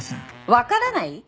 「わからない」？